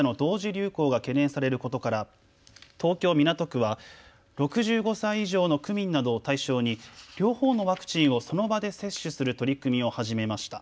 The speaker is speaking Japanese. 流行が懸念されることから東京港区は６５歳以上の区民などを対象に両方のワクチンをその場で接種する取り組みを始めました。